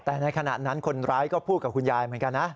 แต่ในขณะนั้นคนร้ายก็พูดกับคุณยายเหมือนกันนะ